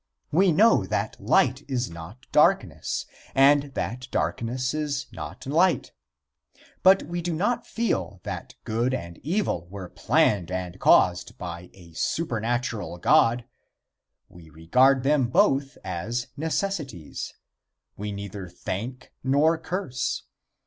We know that light is not darkness, and that darkness is not light. But we do not feel that good and evil were planned and caused by a supernatural God. We regard them both as necessities. We neither thank nor curse.